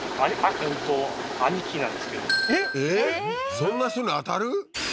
そんな人に当たる？